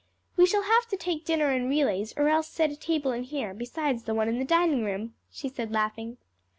"We shall have to take dinner in relays or else set a table in here, besides the one in the dining room," she said, laughing.